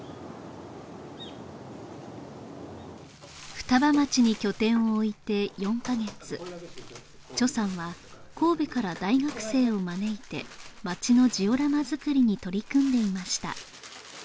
双葉町に拠点を置いて４カ月さんは神戸から大学生を招いて町のジオラマ作りに取り組んでいました